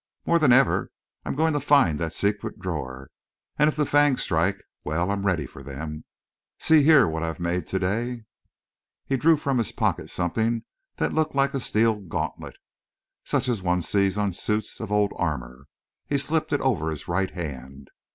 "More than ever; I'm going to find that secret drawer. And if the fangs strike well, I'm ready for them. See here what I had made today." He drew from his pocket something that looked like a steel gauntlet, such as one sees on suits of old armour. He slipped it over his right hand.